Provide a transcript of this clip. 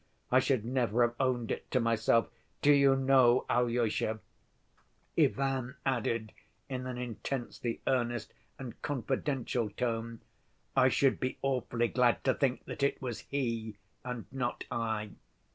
I should never have owned it to myself. Do you know, Alyosha," Ivan added in an intensely earnest and confidential tone, "I should be awfully glad to think that it was he and not I."